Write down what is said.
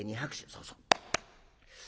そうそう。